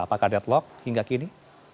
apakah deadlock hingga kini